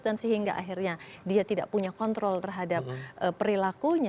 dan sehingga akhirnya dia tidak punya kontrol terhadap perilakunya